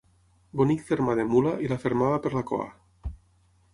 Bonic fermar de mula, i la fermava per la cua.